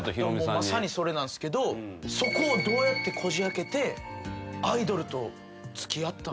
まさにそれなんすけどそこをどうやってこじ開けてアイドルと付き合ったんすか？